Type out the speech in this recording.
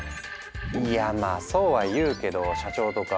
「いやまあそうは言うけど社長とか上司とか？